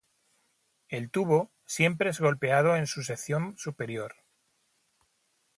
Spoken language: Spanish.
El tubo siempre es golpeado en su sección superior.